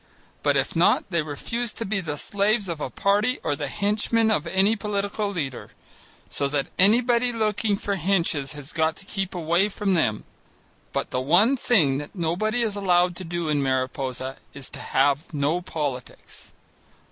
But if not, they refuse to be the slaves of a party or the henchmen of any political leader. So that anybody looking for henches has got to keep away from them. But the one thing that nobody is allowed to do in Mariposa is to have no politics.